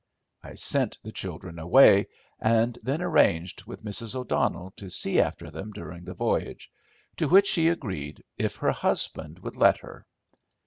I sent the children away, and then arranged with Mrs. O'Donnell to see after them during the voyage, to which she agreed if her husband would let her.